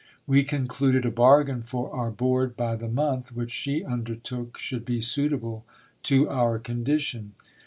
We concluded a bargain for our board by the month, which she undertook should be suitable to our condition.